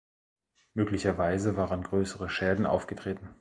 Möglicherweise waren größere Schäden aufgetreten.